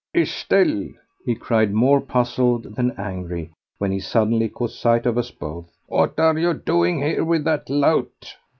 "Estelle," he cried, more puzzled than angry when he suddenly caught sight of us both, "what are you doing here with that lout?"